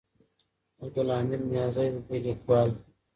عبدالحمید نیازی د دې لیکوال دی.